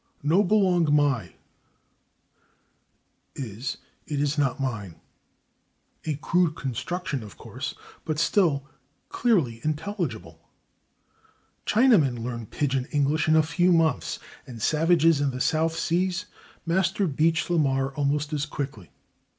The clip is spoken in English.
"No belong /my/" is "it is not /mine/" a crude construction, of course, but still clearly intelligible. Chinamen learn Pigeon English in a few months, and savages in the South Seas master Beach la Mar almost as quickly.